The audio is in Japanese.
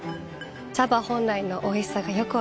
茶葉本来のおいしさがよく分かります。